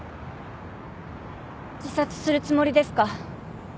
自殺するつもりですか？